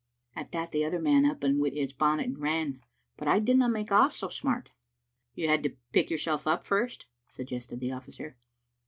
At that the other man up wi' his bonnet and ran, but I didna make off so smart." "You had to pick yourself up first," suggested the officer.